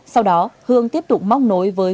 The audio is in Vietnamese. sau đó hương tiếp tục móc nối với